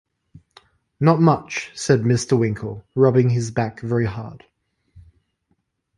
‘Not much,’ said Mr. Winkle, rubbing his back very hard.